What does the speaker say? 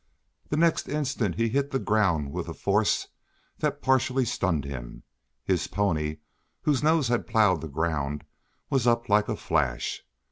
The next instant he hit the ground with a force that partially stunned him. His pony, whose nose had ploughed the ground, was up like a flash.